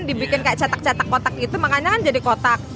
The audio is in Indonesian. dibikin kayak cetak cetak kotak itu makanya kan jadi kotak